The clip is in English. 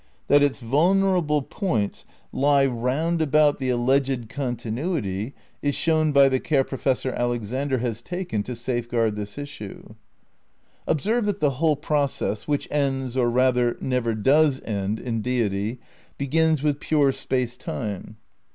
That its vulnerable points lie round 166 TELE NEW IDEALISM v about the alleged continuity is shown by the care Pro fessor Alexander has taken to safeguard this issue. Observe that the whole process, which ends, or rath er, never does end, in Deity, begins with pure Space Time.